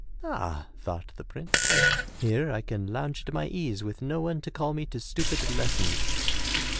"Ah," thought the prince, "here I can lounge at my ease with no one to call me to stupid lessons!'